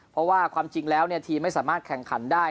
เพราะว่าความจริงแล้วทีมไม่สามารถแข่งขันได้